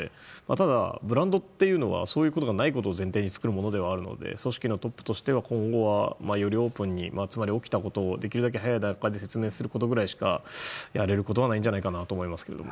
ただ、ブランドというのはそういうことがないことを前提に作るものではあるので組織のトップとしては今後はよりオープンにつまり起きたことをより早い段階で説明することくらいしかやれることはないんじゃないかと思います。